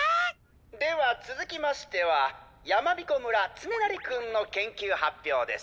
ではつづきましてはやまびこ村つねなりくんの研究発表です。